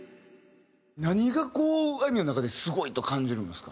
何がこうあいみょんの中ですごいと感じるんですか？